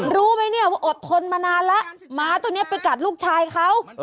รู้ไหมเนี่ยว่าอดทนมานานแล้วหมาตัวนี้ไปกัดลูกชายเขา